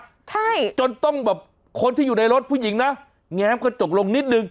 ใช่จนต้องแบบคนที่อยู่ในรถผู้หญิงนะแง้มกระจกลงนิดนึง